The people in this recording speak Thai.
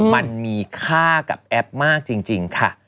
มันมีค่ากับแอปมากจริงค่ะ